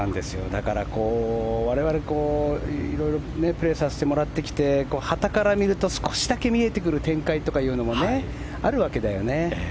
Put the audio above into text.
だから、我々色々プレーさせてもらってきてはたから見ると少しだけ見えてくる展開というのもあるわけだよね。